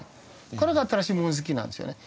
これが新しいもの好きなんですよね